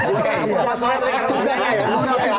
bukan masalahnya karena usaha ya